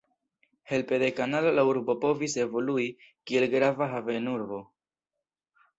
Helpe de kanalo la urbo povis evolui kiel grava havenurbo.